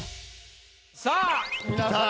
さあ皆さん